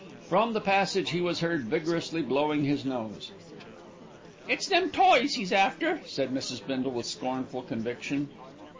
From the passage he was heard vigorously blowing his nose. "It's them toys he's after," said Mrs. Bindle, with scornful conviction.